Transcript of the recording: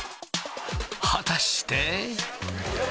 果たして？